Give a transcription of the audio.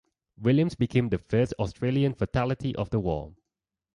Williams became the first Australian fatality of the war.